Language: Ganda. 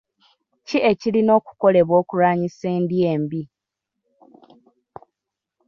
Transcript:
Ki ekirina okukolebwa okulwanyisa endya embi?